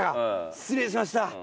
失礼しました。